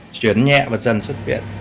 chuyển nhẹ và dần xuất viện